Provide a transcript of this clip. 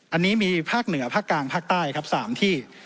อันนี้มีภาคเหนือภาคกลางภาคใต้ครับ๓ที่